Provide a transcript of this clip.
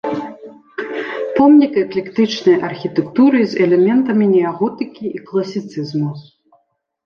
Помнік эклектычнай архітэктуры з элементамі неаготыкі і класіцызму.